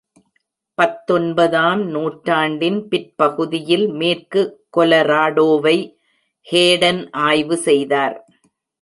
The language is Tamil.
பத்தொன்பதாம் நூற்றாண்டின் பிற்பகுதியில் மேற்கு கொலராடோவை ஹேடன் ஆய்வு செய்தார்.